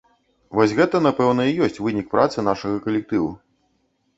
Вось гэта, напэўна, і ёсць вынік працы нашага калектыву.